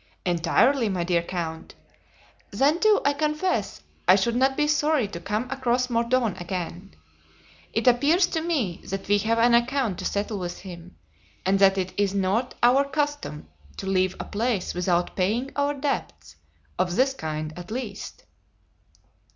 "Entirely, my dear count. Then, too, I confess I should not be sorry to come across Mordaunt again. It appears to me that we have an account to settle with him, and that it is not our custom to leave a place without paying our debts, of this kind, at least."